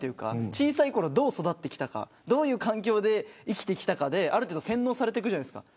小さいころ、どう育ってきたか生きてきたかで、ある程度洗脳されるじゃないですか。